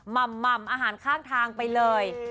หม่ำอาหารข้างทางไปเลย